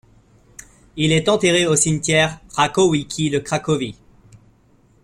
Il est enterré au cimetière Rakowicki de Cracovie.